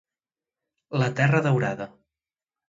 La terra daurada